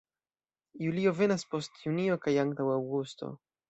Julio venas post junio kaj antaŭ aŭgusto.